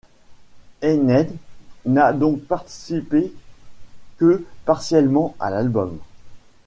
Einheit n'a donc participé que partiellement à l'album.